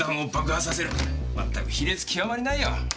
まったく卑劣極まりないよ。